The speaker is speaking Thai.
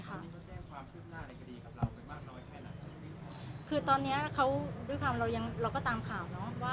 ก็คือตอนนี้เพราะความเราก็ตามข่าวว่า